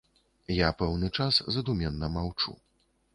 Я пэўны час задуменна маўчу.